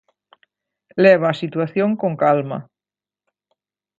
Leva a situación con calma.